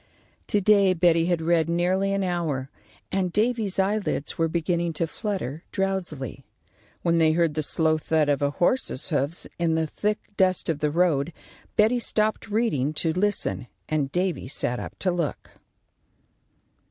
To day Betty had read nearly an hour, and Davy's eyelids were beginning to flutter drowsily, when they heard the slow thud of a horse's hoofs in the thick dust of the road. Betty stopped reading to listen, and Davy sat up to look.